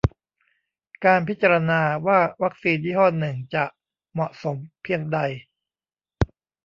การพิจารณาว่าวัคซีนยี่ห้อหนึ่งจะ "เหมาะสม" เพียงใด